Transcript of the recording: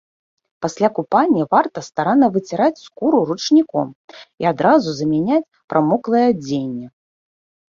Пасля купання варта старанна выціраць скуру ручніком і адразу замяняць прамоклае адзенне.